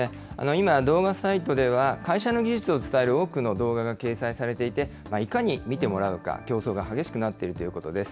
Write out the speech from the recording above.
今、動画サイトでは、会社の技術を伝える多くの動画が掲載されていて、いかに見てもらうか、競争が激しくなっているということです。